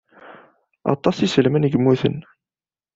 Aṭas iselman i yemmuten.